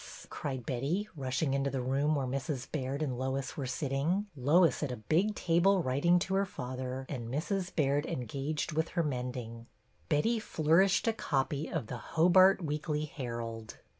'' cried Betty, rushing into I j the room where Mrs. Baird and Lois were sitting, Lois at a big table writing to her father, and Mrs. Baird engaged with her mending. Betty flourished a copy of The Hobart Weekly Herald.